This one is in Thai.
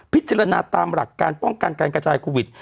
พิจารณาตามหลักการป้องกันการกระจายโควิด